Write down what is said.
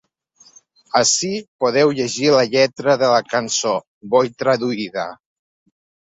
Ací podeu llegir la lletra de la cançó, bo i traduïda.